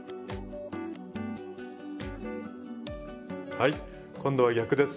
はい今度は逆です。